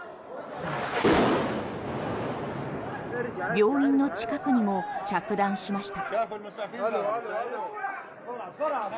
病院の近くにも着弾しました。